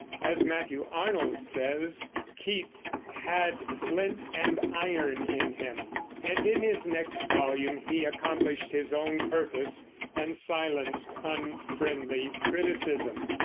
As Matthew Arnold says, Keats "had flint and iron in him"; and in his next volume he accomplished his own purpose and silenced unfriendly criticism.